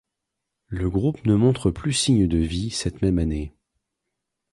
Le groupe ne montre plus signe de vie cette même année.